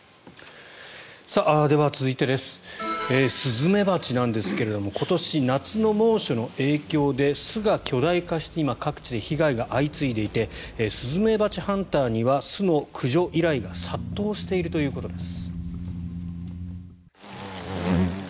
では、続いてスズメバチなんですが今年、夏の猛暑の影響で巣が巨大化して今、各地で被害が相次いでいてスズメバチハンターには巣の駆除依頼が殺到しているということです。